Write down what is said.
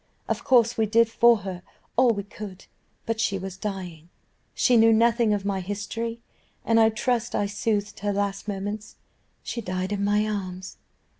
"Of course we did for her all we could, but she was dying: she knew nothing of my history, and I trust I soothed her last moments she died in my arms.